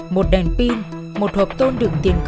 một đèn pin một hộp tôn được tiền cư